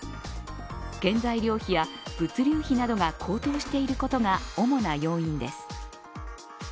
原材料費や物流費などが高騰していることが主な要因です。